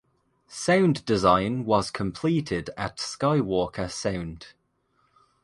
Sound design was completed at Skywalker Sound.